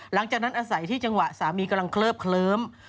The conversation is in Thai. หลังจากนั้นอาศัยที่จังหวะสามีกำลังเคลิบเคลิ้ม